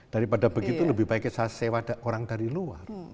daripada begitu lebih baik kita sewa orang dari luar